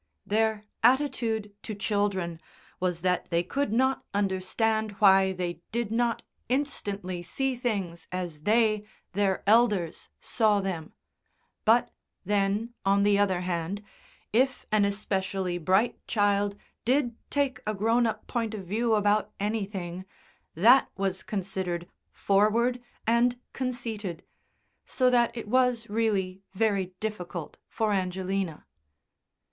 Their attitude to children was that they could not understand why they did not instantly see things as they, their elders, saw them; but then, on the other hand, if an especially bright child did take a grown up point of view about anything that was considered "forward" and "conceited," so that it was really very difficult for Angelina.